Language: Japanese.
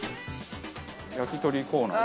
焼き鳥コーナー。